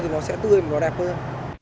thì nó sẽ tươi và nó đẹp hơn